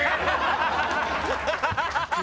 ハハハハ！